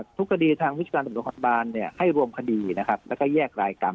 ทุกคดีทางวิชการบัตถุคอตบานให้รวมคดีและแยกรายกรรม